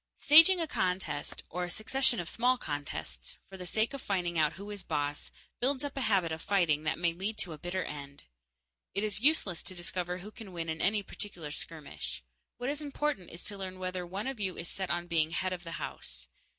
Staging a contest or a succession of small contests, for the sake of finding out who is boss builds up a habit of fighting that may lead to a bitter end. It is useless to discover who can win in any particular skirmish. What is important is to learn whether one of you is set on being "head of the house."